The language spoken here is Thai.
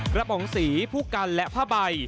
กระป๋องสีภูกกันและผ้าใบ